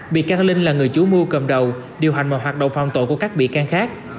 bị can linh là người chủ mưu cầm đầu điều hành mọi hoạt động phạm tội của các bị can khác